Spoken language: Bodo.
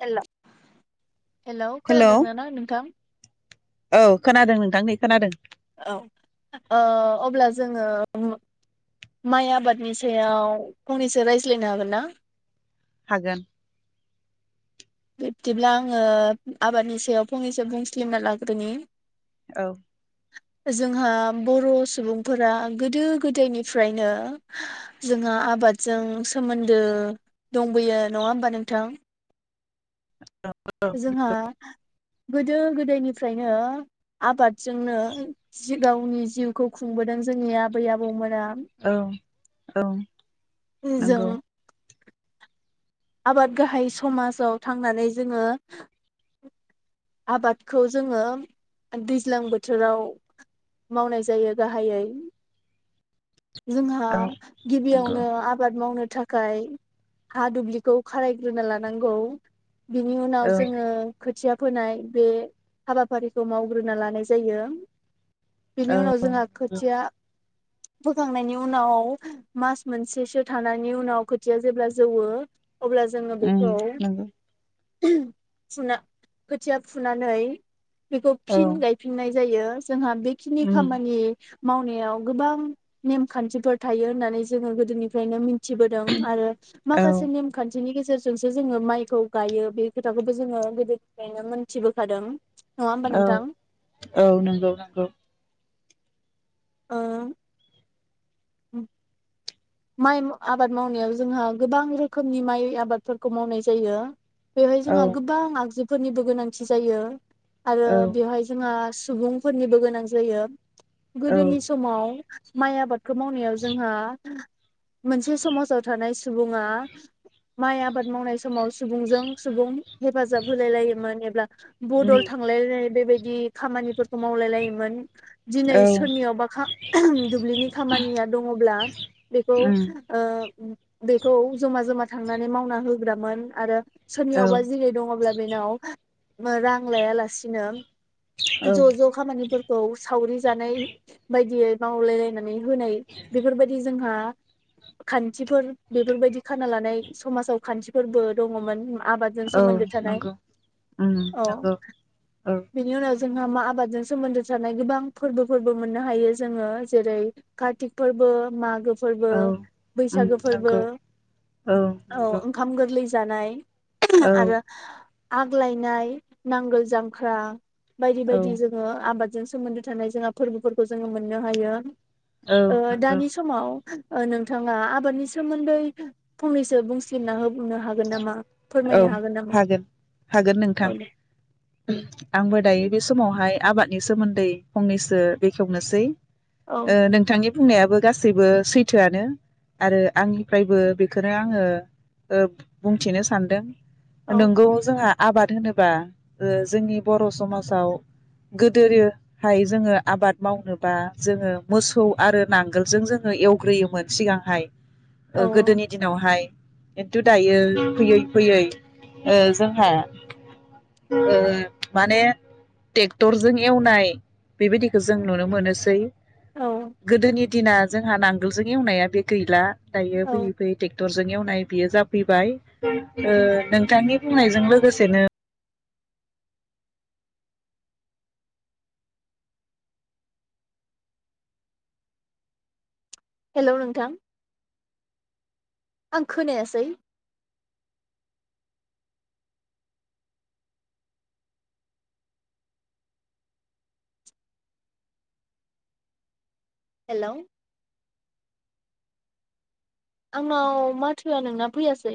हेल। हेलौ खोनादों ना ना नोंथां औ खोनादों नोंथां नै खोनादों औ अब्ला जोङो औ मा-माइ आबादनि सायाव फंनैसो रायज्लायनो हागोन ना। हागोन। बिब्दिब्ला आङो आबादनि सायाव फंनैसो बुंसलिमना लाग्रोनि। औ। जोंहा बर' सुबुंफोरा गोदो गोदायनिफ्रायनो जोंहा आबादजों सोमोन्दो दंबोयो नङा होमबा नोंथां। जोंहा गोदो गोदायनिफ्रायनो आबादजोंनो जि गावनि जिउखौ खुंबोदों जोंनि आबै आबौमोन औ औ नंगौ जों आबाद गाहाय समाजाव थांनानै जोङो आबादखौ जोङो दैज्लां बोथोराव मावनाय जायो गाहायै जोंहा औ नंगौ गिबियावनो आबाद मावनो थाखाय थाखाय हा दुब्लिखौ खारायग्रोना लानांगौ बिनि उनाव औ जोङो खोथ फोनाय बे हाबाफारिखौ मावग्रोना लानाय जायो बेनि औ उनाव जोंहा खोथिया फोखांनायनि उनाव मास मोनसेसो थानायनि उनाव खोथिया जेब्ला जौवो अब्ला जोङो उम बेखौ नंगौ फुना खोथिया फुनानै बेखौ औ फिन गायफिननाय जायो जोंहा बेखिनि उम खामानि मावनायाव गोबां नेमखान्थिफोर थायो होननानै जोङो गोदोनिफ्रायनो मिन थिबोदों आरो औ माखासे नेमखान्थिनि गेज जेरजोंसो जोङो माइखौ गायो बे खोथाखौबो जोङो गोदोन फायनो मोनथिबोखादों औ नोंथां औ नोंगौ नोंगौ ओ उम माइ आबाद मावनायाव जोंहा गोबां रोखोमनि माइ आबादफोरखौ मावनाय जायो बेवहाय औ जोंहा गोबां आगजु फोरनिबो गोनांथि जायो आरो औ बेवहाय जोंहा स सुबुंफोरनिबो गोनां जायो औ गोदोनि समाव माइ आबादखौ मावनायाव जोंहा मोनसे समाजाव थानाय सुबुंङा माइ आबाद मावनाय समाव सुबुंजों सुबुं हेफाजाब होलाय लायोमोन एबा उम बदद थांलायनाय बेबायदि बिदि खामानिफोरखौ खौ मावलाय लायोमोन दिनै औ सोरनियावबा दुब्लिनि खामानिया दङब्ला बेखौ उम ओ बेखौ जमा जमा थांनानै मावना होग्रामोन आरो औ सोरनियावबा जेरै दङब्ला बेनाव रां लायालासिनो औ ज ज खामानिफोर औ सावरि जानाय बायदियै मावलायलायनानै होनाय बेफोरबायद दि जोंहा खान्थिफोर बेफोरबायदि खाना लानाय समाजाव खान्थिफोरबो दङमोन आबादजों औ सोमोन्दो थानाय नंगौ उम औ नंगौ औ बेनि उनाव जोंहा मा आबादजों सोमोन्दो थानाय गोबां फोरबोफोरबो मोननो हायो जोङो जेरै- कार्तिक फोरबो मागो फोरबो, औ उम बैसागो फोरबो, नंगौ औ ओंखाम गोरलै जा जानाय औ आरो आग्लायनाय नांगोल जांख्रा बायदि औ बायदि जोंङो आबादजों सोमोन्दो थानाय जोंहा फोरबोफोरखौ जोंङो मोननो हायो औ ओ नंगौ दानि समाव नोंथाङा आबादनि सोमोन्दै फंनैसो बुंसिनना होनो हागोन नामा औ फोरमायनो नामा? हागोन हागोन नोंथां औ दे आंबो दायो बे समाव हाय आबादनि सोमोन्दै फंनैसो बेखेवनोसै औ ओ नोंथांनि बुंनायाबो गासैबो सैथोआनो आरो आंनिफ्रायबो बेखौनो आंङो ओ बुंथिनो सानदों दों औ नंगौ जोंहा आबाद होनोबा ओ जोंनि बर' समाजाव गोदोहाय जोंङो आबाद मावनोबा जोंङो मोसौ आरो नांगोलजों जोंङो एवग्रोयोमोन सिगांहाय औ ओ गोदोनि दिनावहाय खिन्थु दायो फैयै फैयै ओ जोंहा ओ माने ट्रेक्टरजों एवनाय बेबायदिखौ जों नुनो मोनोसै औ गोदोनि दिना जोंहा नांगोलजों एवनाया बे गैला दायो औ फैयै फैयै टेक्ट रजों एवनाय बियो जाफैबाय ओ नोंथांनि बुंनायजों लोगोसेनो हेल्ल' नोंथां आं खोनायासै हेल्लौ आंनाव माथोआ नोंना फैयासै।